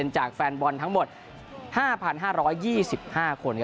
จากแฟนบอลทั้งหมด๕๕๒๕คน